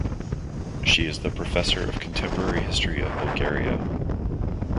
She is the Professor of Contemporary History of Bulgaria.